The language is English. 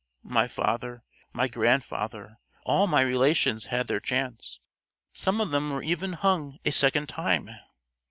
My father, my grandfather all my relations had their chance some of them were even hung a second time!"